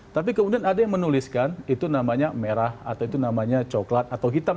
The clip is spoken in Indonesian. tapi kemudian ada yang menuliskan itu namanya merah atau itu namanya coklat atau hitam